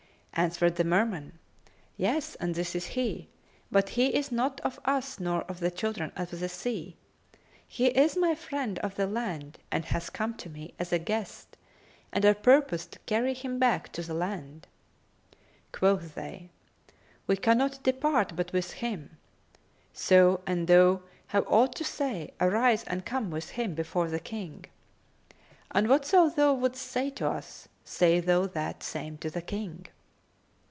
Answered the Merman, "Yes; and this is he; but he is not of us nor of the children of the sea. He is my friend of the land and hath come to me as a guest and I purpose to carry him back to the land." Quoth they, "We cannot depart but with him; so, an thou have aught to say, arise and come with him before the King; and whatso thou wouldst say to us, say thou that same to the King."